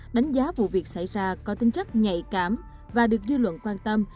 đánh giá vụ việc xảy ra có tính chất nhạy cảm và được dư luận quan tâm